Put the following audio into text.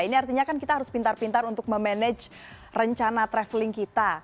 ini artinya kan kita harus pintar pintar untuk memanage rencana traveling kita